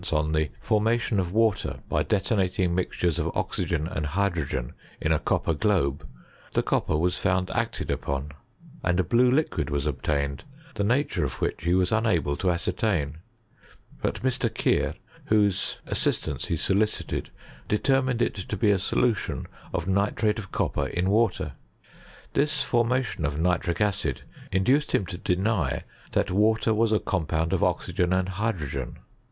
on the formation of water by detonating mis of oxygen and hydrogen in a copper globo, copper was found acted upon, and a blue liquid obtained, the nature of which he wai unable to ^rtain; but Mr. Keir, whose assistance he soli cited, determined it to be a solution of nitrate of copper in water. This formation of nitric acid in doced him to deny that water was a compound of tKygea and hydrogen.